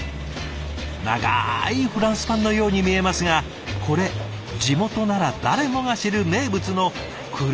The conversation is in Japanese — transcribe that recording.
長いフランスパンのように見えますがこれ地元なら誰もが知る名物の車麩。